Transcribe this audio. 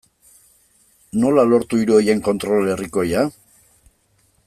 Nola lortu hiru horien kontrol herrikoia?